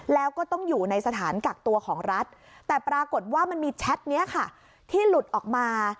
แล้วก็ต้องอยู่ในสถานกักตัวของรัฐแต่ปรากฏว่ามันมีแชทนี้ค่ะที่หลุดออกมา